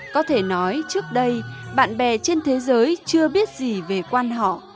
có thể nói trước đây bạn bè trên thế giới chưa biết gì về quan họ